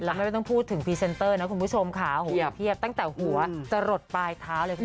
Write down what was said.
แล้วไม่ต้องพูดถึงพรีเซนเตอร์นะคุณผู้ชมค่ะหัวเพียบตั้งแต่หัวจะหลดปลายเท้าเลยคุณผู้ชม